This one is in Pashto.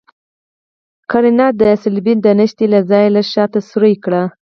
قرنیه د صلبیې د نښتې له ځای لږ شاته سورۍ کړئ.